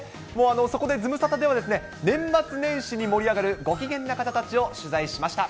そこでズムサタでは、年末年始に盛り上がるご機嫌な方たちを取材しました。